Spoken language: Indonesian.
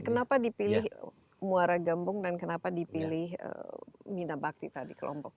kenapa dipilih muara gembong dan kenapa dipilih mina bakti tadi kelompok